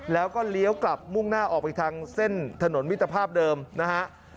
แล้วก็เลี้ยวกลับมุ่งหน้าออกไปทางเส้นถนนมิตรภาพเดิมนะฮะ